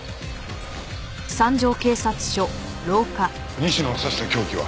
西野を刺した凶器は？